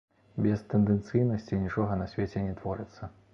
Без тэндэнцыйнасці нічога на свеце не творыцца.